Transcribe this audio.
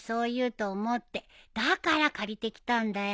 だから借りてきたんだよ。